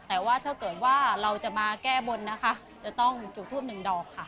แต่ว่าถ้าเกิดว่าเราจะมาแก้บนนะคะจะต้องจุดทูปหนึ่งดอกค่ะ